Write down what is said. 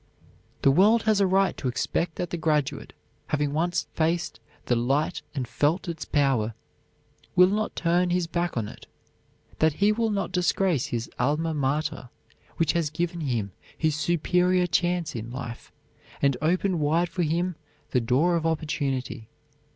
The world has a right to expect that the graduate, having once faced the light and felt its power, will not turn his back on it; that he will not disgrace his alma mater which has given him his superior chance in life and opened wide for him the door of opportunity.